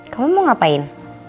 kamu mau ngapain